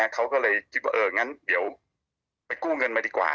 เขาก็เลยคิดว่าเอองั้นเดี๋ยวไปกู้เงินมาดีกว่า